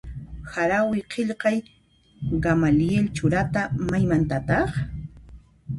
Harawi qillqaq Gamaliel Churata maymantataq?